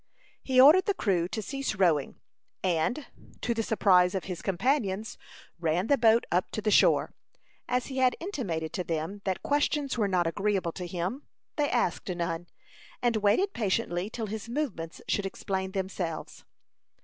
He ordered the crew to cease rowing, and, to the surprise of his companions, ran the boat up to the shore. As he had intimated to them that questions were not agreeable to him, they asked none, and waited patiently till his movements should explain themselves.